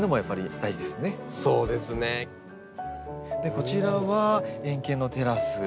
こちらは円形のテラス。